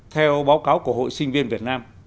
theo báo cáo của hội sinh viên việt nam